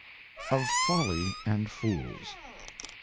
Of Folly and Fools.